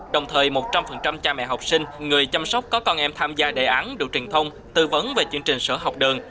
đồng thời một trăm linh cha mẹ học sinh người chăm sóc có con em tham gia đề án được truyền thông tư vấn về chương trình sữa học đường